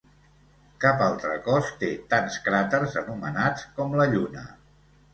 Cap altre cos té tants cràters anomenats com la Lluna.